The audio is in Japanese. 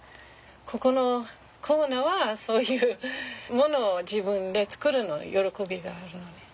ここのコーナーはそういうものを自分で作るの喜びがあるのね。